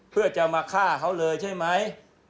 เพื่อจะมาฆ่าเขาเลยใช่ไหม